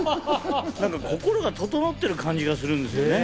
心が整ってる感じがするんですよね。